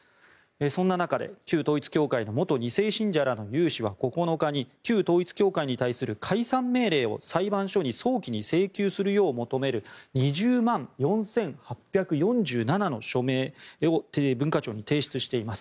そんな中で旧統一教会の元２世信者らの有志は９日に旧統一教会に対する解散命令を裁判所に早期に請求するよう求める２０万４８４７の署名を文化庁に提出しています。